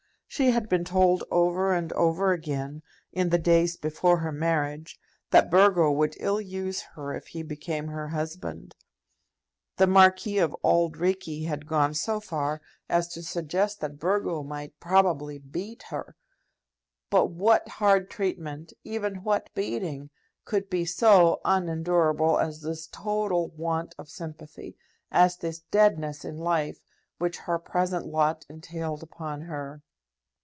She had been told over and over again, in the days before her marriage, that Burgo would ill use her if he became her husband. The Marquis of Auld Reekie had gone so far as to suggest that Burgo might probably beat her. But what hard treatment, even what beating, could be so unendurable as this total want of sympathy, as this deadness in life, which her present lot entailed upon her?